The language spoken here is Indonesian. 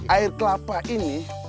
air kelapa ini